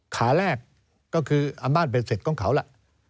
ขาแรกก็คืออำนาจเบ็ดเสร็จของเขาล่ะ